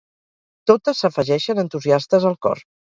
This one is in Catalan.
Totes s'afegeixen entusiastes al cor.